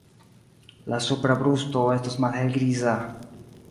La supra brusto estas malhelgriza.